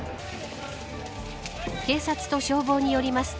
警察と消防によりますと